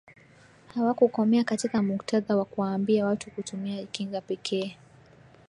hawakukomea katika muktadha wa kuwaambia watu kutumia kinga pekee